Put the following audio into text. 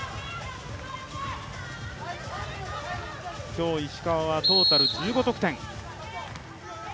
今日石川はトータル１５得点。